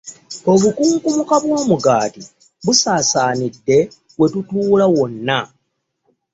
Obukunkumuka bw'omugaati busaasaanidde we tutuula wonna.